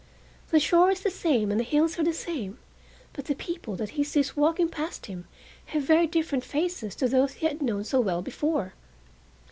The shore is the same and the hills are the same, but the people that he sees walking past him have very different faces to those he had known so well before.